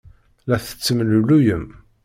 La tettemlelluyem.